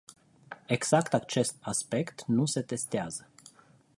Exact acest aspect nu se testează.